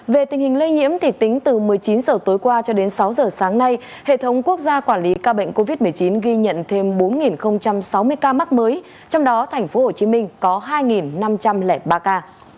về tình hình lây nhiễm tính từ một mươi chín h tối qua cho đến sáu giờ sáng nay hệ thống quốc gia quản lý ca bệnh covid một mươi chín ghi nhận thêm bốn sáu mươi ca mắc mới trong đó tp hcm có hai năm trăm linh ba ca